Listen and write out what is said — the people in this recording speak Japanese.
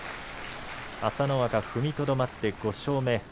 朝乃若、踏みとどまって５勝目。